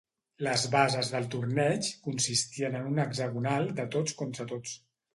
Les bases del torneig consistien en un hexagonal de tots contra tots.